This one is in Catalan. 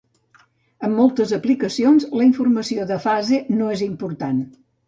En moltes aplicacions, la informació de fase no és important.